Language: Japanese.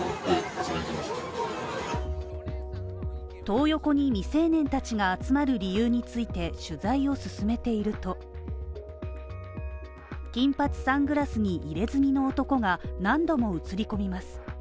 トー横に未成年たちが集まる理由について取材を進めていると金髪、サングラスに入れ墨の男が何度も映り込みます。